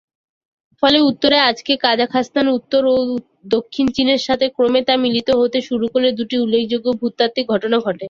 ফলে উত্তরে আজকের কাজাখস্তান, উত্তর ও দক্ষিণ চীনের সাথে ক্রমে তা মিলিত হতে শুরু করলে দু'টি উল্লেখযোগ্য ভূতাত্ত্বিক ঘটনা ঘটে।